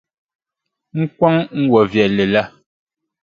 N kɔŋ n wɔʼ viɛlli la.